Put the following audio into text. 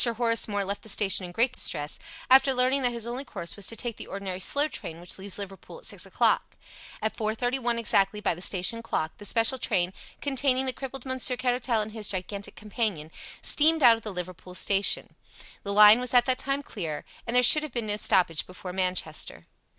Horace Moore left the station in great distress, after learning that his only course was to take the ordinary slow train which leaves Liverpool at six o'clock. At four thirty one exactly by the station clock the special train, containing the crippled Monsieur Caratal and his gigantic companion, steamed out of the Liverpool station. The line was at that time clear, and there should have been no stoppage before Manchester.